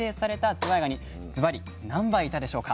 ずわいがにずばり何杯いたでしょうか？